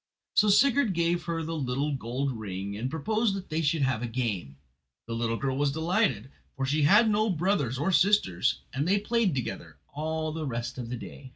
So Sigurd gave her the little gold ring, and proposed that they should have a game. The little girl was delighted, for she had no brothers or sisters, and they played together all the rest of the day.